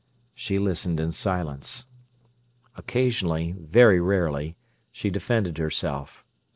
She listened in silence. Occasionally, very rarely, she defended herself.